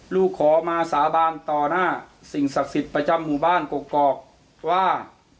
ลูกขอมาสาบานต่อหน้าสิ่งศักดิ์สิทธิ์ประจำหมู่บ้านกกอกว่า